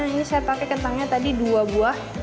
ini saya pakai kentangnya tadi dua buah